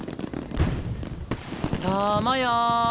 たまや。